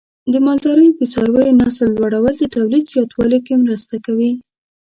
د مالدارۍ د څارویو نسل لوړول د تولید زیاتوالي کې مرسته کوي.